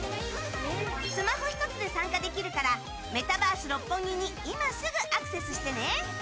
スマホ１つで参加できるからメタバース六本木に今すぐアクセスしてね！